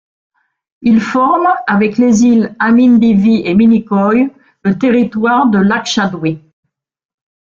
Il forme avec les îles Amindivi et Minicoy le territoire de Lakshadweep.